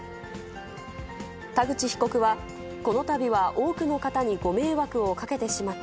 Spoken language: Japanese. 田口被告は、このたびは多くの方にご迷惑をかけてしまった。